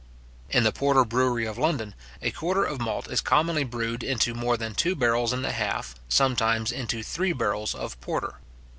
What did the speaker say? In the porter brewery of London, a quarter of malt is commonly brewed into more than two barrels and a half, sometimes into three barrels of porter.